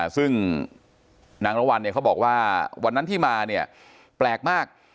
ซึ่งนางรวรรณเขาบอกว่าวันนั้นที่มาเนี่ยแปลกมาก